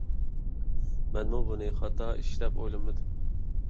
مەنمۇ بۇنى خاتا ئىش دەپ ئويلىمىدىم.